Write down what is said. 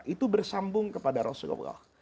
itu bersambung kepada rasulullah